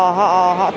thì họ sẽ bị vướng mắt